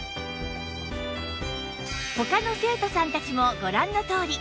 他の生徒さんたちもご覧のとおり